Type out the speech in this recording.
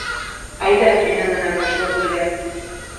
— Әйҙә минең менән Ташлыкүлгә.